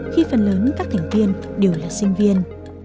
khi phần lớn các thành viên đều là sinh viên